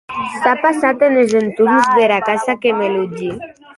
S’a passat enes entorns dera casa que me lòtgi.